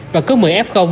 và cứ một mươi f